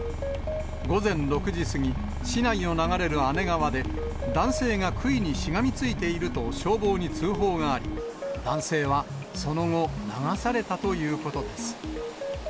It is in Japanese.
午前６時過ぎ、市内を流れる姉川で、男性がくいにしがみついていると消防に通報があり、男性はその後、流されたということです。